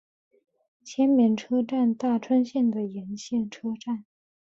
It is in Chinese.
千绵车站大村线的沿线车站。